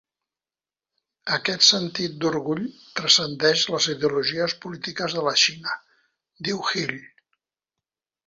Aquest sentit d'orgull transcendeix les ideologies polítiques de la Xina, diu Hill.